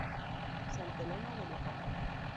Santa Elena de Luján